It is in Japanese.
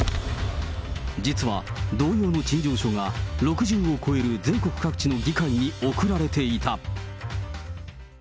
実は、同様の陳情書が６０を超える全国各地の議会に送られていた。